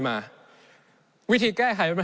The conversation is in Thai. ในช่วงที่สุดในรอบ๑๖ปี